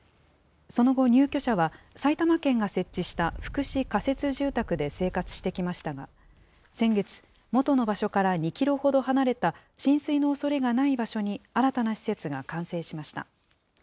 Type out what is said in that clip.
その後、入居者は埼玉県が設置した、福祉仮設住宅で生活してきましたが、先月、元の場所から２キロほど離れた浸水のおそれがない場所に新たな施設が完成しました。